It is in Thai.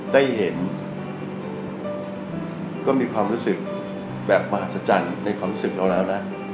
ได้เห็นก็มีความรู้สึกแบบมหัศจรรย์ในความรู้สึกเราแล้วนะ